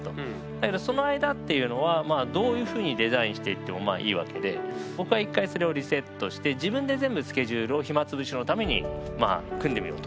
だけどその間っていうのはどういうふうにデザインしていってもまあいいわけで僕は１回それをリセットして自分で全部スケジュールを暇つぶしのためにまあ組んでみようと。